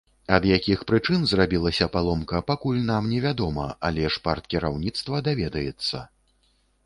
Ад якіх прычын зрабілася паломка, пакуль нам невядома, але ж парткіраўніцтва даведаецца.